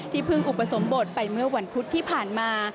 เพิ่งอุปสมบทไปเมื่อวันพุธที่ผ่านมา